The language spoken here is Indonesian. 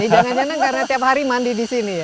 jangan jangan karena tiap hari mandi disini ya